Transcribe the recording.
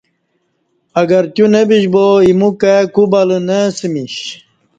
اگر تیو نہ بیش با ایمو کائی کو بلہ نہ اسہ میش۔